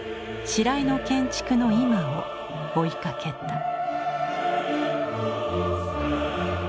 白井の建築の今を追いかけた。